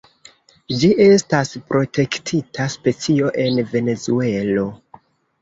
Ĝi estas protektita specio en Venezuelo.